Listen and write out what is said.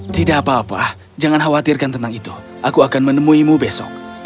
tidak apa apa jangan khawatirkan tentang itu aku akan menemuimu besok